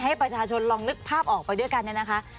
ให้ประชาชนลองนึกภาพออกไปด้วยกันเนี่ยนะคะ